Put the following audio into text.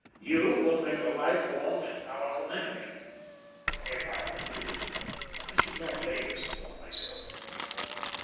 You will make a life long and powerful enemy. If I were you, I should not lay this upon myself.'